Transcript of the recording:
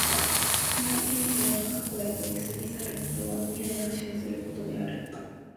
時の現在が過去へと過ぎ去ることは、未来が生ずることである。